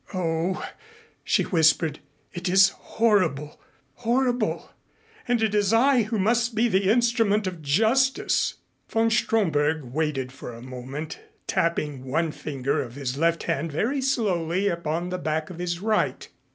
"Oh," she whispered, "it is horrible horrible. And it is I who must be the instrument of justice." Von Stromberg waited for a moment, tapping one finger of his left hand very slowly upon the back of his right.